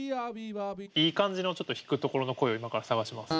いい感じのちょっと弾くところの声を今から探します。